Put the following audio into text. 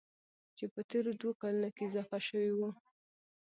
چې په تېرو دوو کلونو کې اضافه شوي وو.